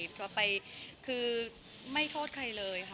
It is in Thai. ตัวไปคือไม่โทษใครเลยค่ะ